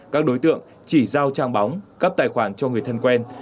các đối tượng chỉ giao trang bóng cấp tài khoản cho người thân quen